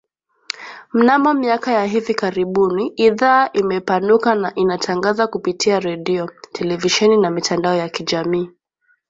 Mnamo miaka ya hivi karibuni ,idhaa imepanuka na inatangaza kupitia redio, televisheni na mitandao ya kijamii